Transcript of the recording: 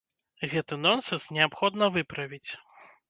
Гэты нонсэнс неабходна выправіць.